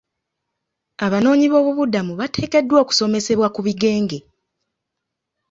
Abanoonyi boobubudamu bateekeddwa okusomesebwa ku bigenge.